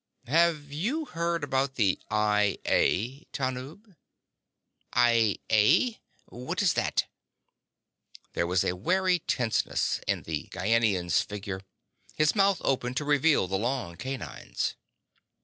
"Have you heard about the I A, Tanub?" "I A? What is that?" There was a wary tenseness in the Gienahn's figure. His mouth opened to reveal the long canines.